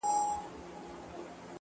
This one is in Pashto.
ما نن د هغې سترگي د غزل سترگو ته راوړې